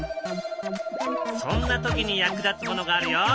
そんな時に役立つものがあるよ。